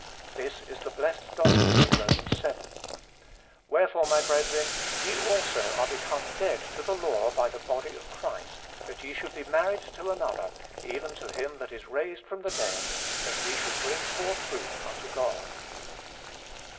This is the blessed doctrine of Romans vii. "Wherefore, my brethren, ye also are become dead to the law by the body of Christ, that ye should be married to another, even to him that is raised from the dead, that we should bring forth fruit unto God."